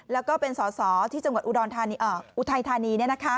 แล้วก็เป็นสอสอที่จังหวัดอุทัยธานี